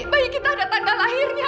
bayi kita ada tanda lahirnya